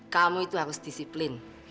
kamu itu harus disiplin